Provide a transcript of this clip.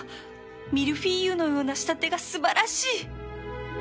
ミルフィーユのような仕立てが素晴らしい